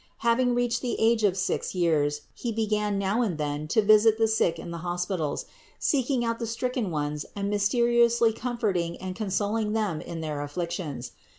Having reached the age of six years He began now and then to visit the sick in the hospitals, seeking out the stricken ones and mysteriously comforting and consoling them in their afflictions.